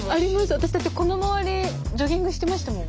私だってこの周りジョギングしてましたもん。